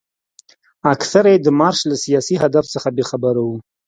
اکثره یې د مارش له سیاسي هدف څخه بې خبره وو.